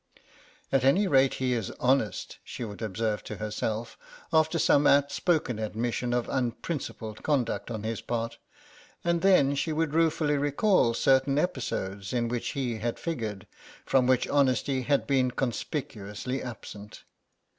"At any rate he is honest," she would observe to herself, after some outspoken admission of unprincipled conduct on his part, and then she would ruefully recall certain episodes in which he had figured, from which honesty had been conspicuously absent.